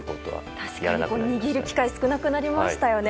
確かに、握る機会少なくなりましたよね。